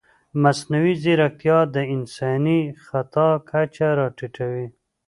مصنوعي ځیرکتیا د انساني خطا کچه راټیټوي.